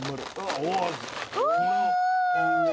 お！